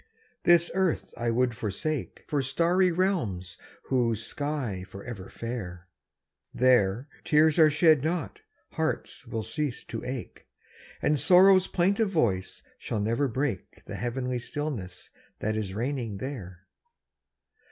This earth I would forsake For starry realms whose sky's forever fair; There, tears are shed not, hearts will cease to ache, And sorrow's plaintive voice shall never break The heavenly stillness that is reigning there.